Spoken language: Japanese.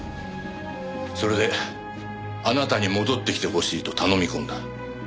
それであなたに戻ってきてほしいと頼み込んだ。